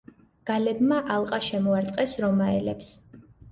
გალებმა ალყა შემოარტყეს რომაელებს.